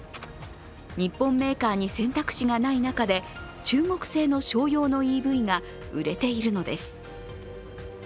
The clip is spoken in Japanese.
日本メーカーに選択肢がない中で、中国製の商用のＥＶが売れているのです。